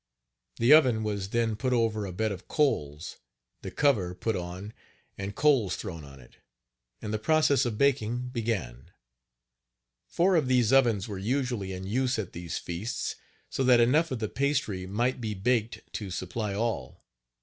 The oven was then put over a bed of coals, the cover put on and coals thrown on it, and the process of baking began. Four of these ovens were usually in use at these feasts, so that enough of the pastry might be baked to supply all.